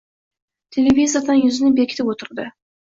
Televizordan yuzini bekitib o‘tirdi.